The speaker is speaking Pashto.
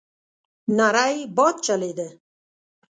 نری باد چلېده.